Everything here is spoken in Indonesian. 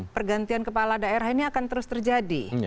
pergantian kepala daerah ini akan terus terjadi